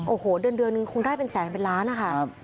โอ้โหเดือนนึงคงได้เป็นแสนเป็นล้านนะคะ